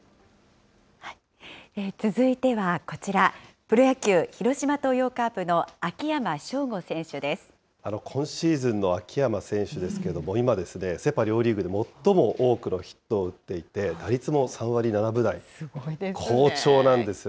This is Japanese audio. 続いてはこちら、プロ野球・広島東洋カープの秋山翔吾選手で今シーズンの秋山選手ですけれども、今、セ・パ両リーグで最も多くのヒットを打っていて、すごいですね。